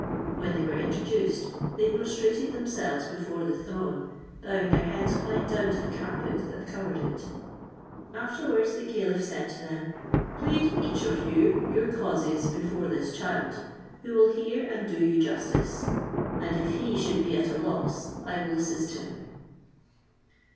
When they were introduced, they prostrated themselves before the throne, bowing their heads quite down to the carpet that covered it. Afterwards the caliph said to them, "Plead each of you your causes before this child, who will hear and do you justice: and if he should be at a loss I will assist him."